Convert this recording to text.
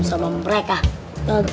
di tempat sekarang